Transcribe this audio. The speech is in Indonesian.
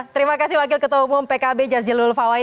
terima kasih wakil ketua umum pkb jazilul fawait